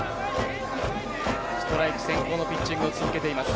ストライク先行のピッチングを続けています。